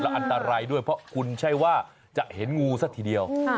อันตรายด้วยเพราะคุณใช่ว่าจะเห็นงูซะทีเดียว